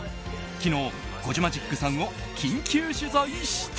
昨日、コジマジックさんを緊急取材した。